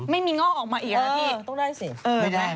ไม่มีงอกออกมาอีกแล้วพี่ต้องได้สิ